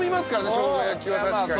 しょうが焼きは確かに。